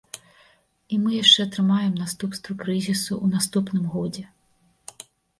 І мы яшчэ атрымаем наступствы крызісу ў наступным годзе.